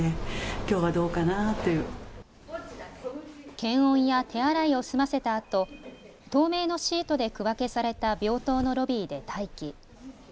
検温や手洗いを済ませたあと透明のシートで区分けされた病棟のロビーで待機。